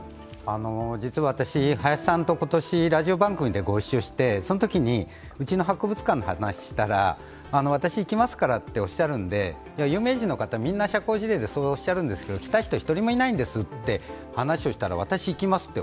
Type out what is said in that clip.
実は私、林さんと今年、ラジオ番組でご一緒して、そのときにうちの博物館の話をしましたら私、行きますからっておっしゃるんで、有名人の方、みんな社交辞令でそうおっしゃるけど行きたい人、誰もいないんですといったら私、行きますって